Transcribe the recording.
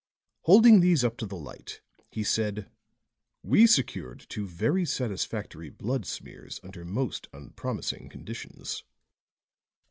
Holding these up to the light he said: "We secured two very satisfactory blood smears under most unpromising conditions.